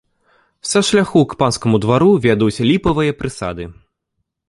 Са шляху к панскаму двару вядуць ліпавыя прысады.